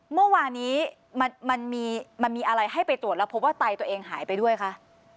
เมื่อวานี้มันมีอะไรให้ไปตรวจแล้วพบว่าไตตัวเองหายไปด้วยคะ